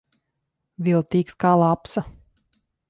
Viltīgs kā lapsa.